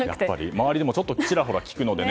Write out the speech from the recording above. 周りでもちらほら聞くのでね。